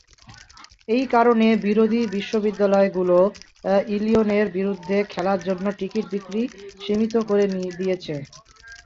এই কারণে বিরোধী বিশ্ববিদ্যালয়গুলো ইলিনয়ের বিরুদ্ধে খেলার জন্য টিকেট বিক্রি সীমিত করে দিয়েছে।